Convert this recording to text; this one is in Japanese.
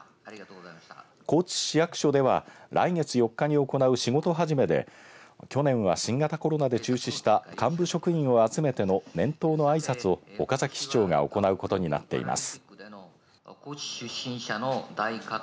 高知市役所では来月４日に行う仕事始めで去年は新型コロナで中止した幹部職員を集めての年頭のあいさつを岡崎市長が行うことになっています。